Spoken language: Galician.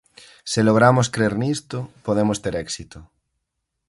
Se logramos crer nisto, podemos ter éxito.